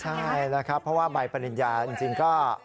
ใช่นะครับเพราะว่าใบปริญญาจริงก็